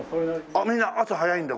あっみんな朝早いんだ。